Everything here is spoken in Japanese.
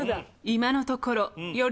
今のところあ